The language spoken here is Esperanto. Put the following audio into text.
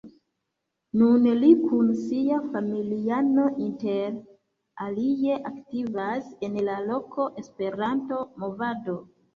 Nun li kun sia familiano inter alie aktivas en la loka Esperanto-movado.